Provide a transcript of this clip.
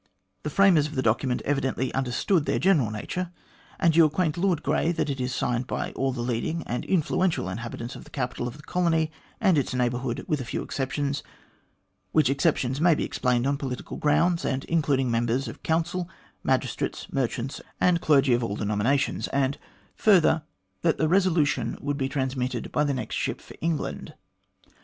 The framers of the document evidently understood their general nature, and you acquaint Lord Grey that it is signed by all the leading and influential inhabitants of the capital of the colony and its neighbourhood with a few exceptions, which ex ceptions may be explained on political grounds, and including members of council, magistrates, merchants, and clergy of all A GRIEVOUS ERROR OF MR GLADSTONE'S 159 denominations ; and, further, that the resolution would be trans mitted by the next ship for England.